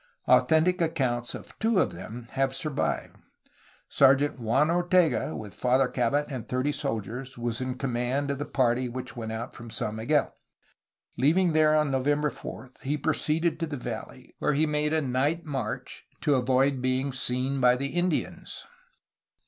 Authentic accounts of two of them have survived. Sergeant Juan Ortega, with Father Cabot and thirty soldiers, was in command of the party which went out from San Miguel. Leaving there on November 4 he proceeded to the valley, where he made a night march to avoid being seen by the Indians.